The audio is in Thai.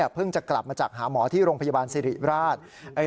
เพิ่งจะกลับมาจากหาหมอที่โรงพยาบาลสิริราช